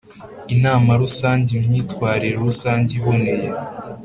Inama rusange imyitwarire rusange iboneye